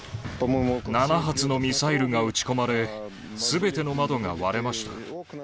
７発のミサイルが撃ち込まれ、すべての窓が割れました。